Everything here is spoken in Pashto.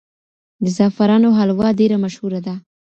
د زعفرانو حلوا ډېره مشهوره ده.